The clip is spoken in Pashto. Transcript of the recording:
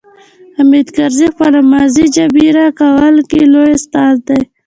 حامد کرزي په خپله ماضي جبيره کولو کې لوی استاد دی.